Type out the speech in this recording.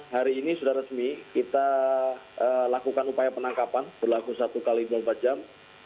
hari ini sudah resmi kita lakukan upaya penangkapan berlaku satu x dua puluh empat jam